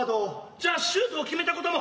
じゃあシュートを決めたことも？